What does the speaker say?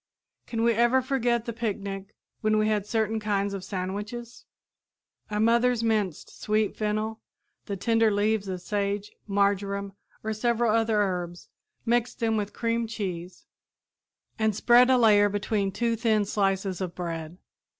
Can we ever forget the picnic when we had certain kinds of sandwiches? Our mothers minced sweet fennel, the tender leaves of sage, marjoram or several other herbs, mixed them with cream cheese, and spread a layer between two thin slices of bread.